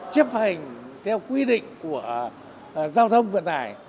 chấp hành theo quy định của giao thông vận tải